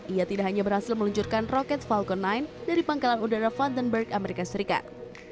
ia tidak hanya berhasil meluncurkan roket falcon sembilan dari pangkalan udara vandenburg amerika serikat